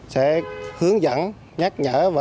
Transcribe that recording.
sẽ hướng dẫn nhắc nhở và